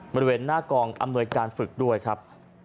บริเวณหน้ากองอำนวยการฝึกด้วยครับ